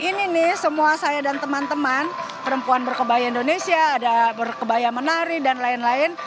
ini nih semua saya dan teman teman perempuan berkebaya indonesia ada berkebaya menari dan lain lain